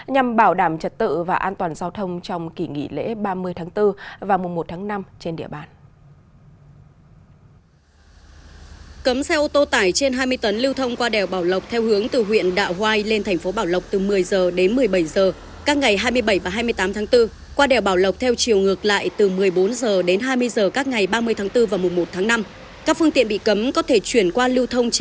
nhằm bảo đảm trật tự và an toàn giao thông trong kỷ nghị lễ ba mươi tháng bốn và một tháng năm trên địa bàn